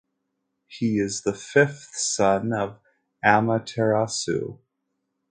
He is the fifth son of Amaterasu.